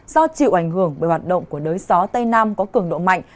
do chịu ảnh hưởng bởi hoạt động của đới gió tây nam có cường độ mạnh